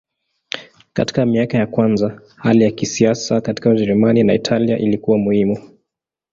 Katika miaka ya kwanza hali ya kisiasa katika Ujerumani na Italia ilikuwa muhimu.